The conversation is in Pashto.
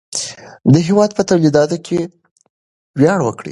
د هېواد په تولیداتو ویاړ وکړئ.